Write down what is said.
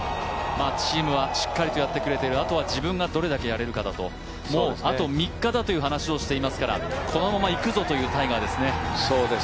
チームはしっかりとやってくれている、あとは自分がどれだけやれるかだとあと３日だという話をしていますから、このままいくぞというタイガーですね。